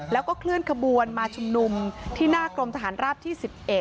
แล้วก็เคลื่อนขบวนมาชุมนุมที่หน้ากรมทหารราบที่๑๑